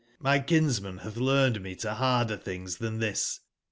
)Vly kinsman hath learned me to harder things than this.